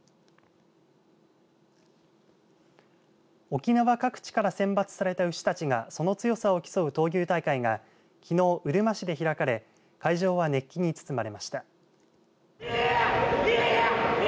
沖縄各地から選抜された牛たちがその強さを競う闘牛大会がきのう、うるま市で開かれ会場は熱気に包まれました。